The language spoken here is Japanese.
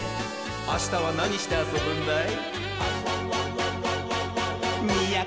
あしたはなにしてあそぶんだい？